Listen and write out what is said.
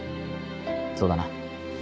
そうだな。